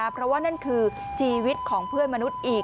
เพราะว่านั่นคือชีวิตของเพื่อนมนุษย์อีก